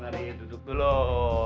mari mari duduk dulu